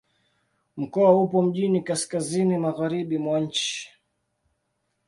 Mkoa upo mjini kaskazini-magharibi mwa nchi.